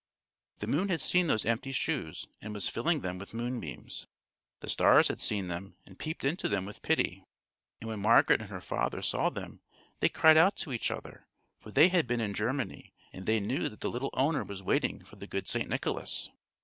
The moon had seen those empty shoes, and was filling them with moonbeams. The stars had seen them, and peeped into them with pity; and when Margaret and her father saw them they cried out to each other, for they had been in Germany, and they knew that the little owner was waiting for the good Saint Nicholas.